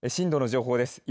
震度の情報です。